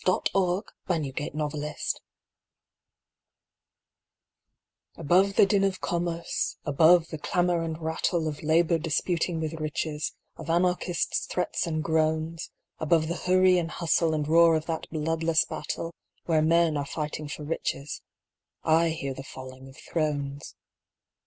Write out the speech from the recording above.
THE FALLING OF THRONES Above the din of commerce, above the clamour and rattle Of labour disputing with riches, of Anarchists' threats and groans, Above the hurry and hustle and roar of that bloodless battle, Where men are fighting for riches, I hear the falling of thrones.